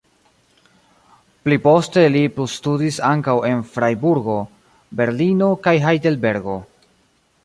Pli poste li plustudis ankaŭ en Frajburgo, Berlino kaj Hajdelbergo.